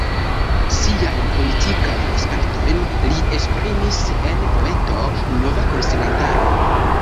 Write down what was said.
Siajn politikajn spertojn li esprimis en poemo Nova konsilantaro.